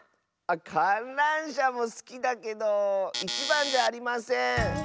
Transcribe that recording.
かんらんしゃもすきだけどいちばんではありません。え。